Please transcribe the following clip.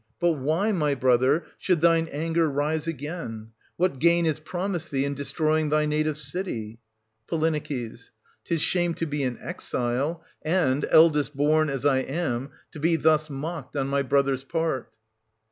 But why, my brother, should thine anger rise 1420 again } What gain is promised thee in destroying thy native city } Po. 'Tis shame to be an exile, and, eldest born as I am, to be thus mocked on my brother's part.